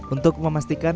untuk memastikan halaman